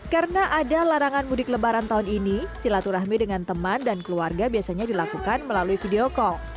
karena ada larangan mudik lebaran tahun ini silaturahmi dengan teman dan keluarga biasanya dilakukan melalui video call